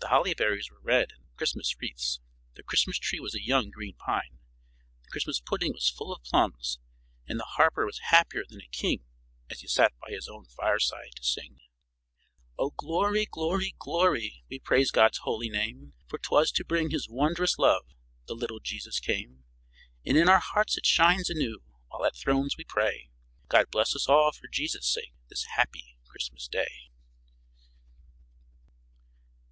The holly berries were red in the Christmas wreaths; their Christmas tree was a young green pine; the Christmas pudding was full of plums; and the harper was happier than a king as he sat by his own fireside to sing: "O glory, glory, glory! We praise God's holy name; For 'twas to bring His wondrous love, The little Jesus came. "And in our hearts it shines anew, While at His throne we pray, God bless us all for Jesus' sake, This happy Christmas day."